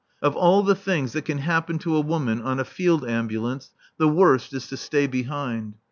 Of all the things that can happen to a woman on a field ambulance, the worst is to stay behind.